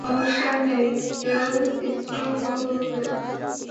সমস্যা নেই, কেউ কিচ্ছু বলবে না।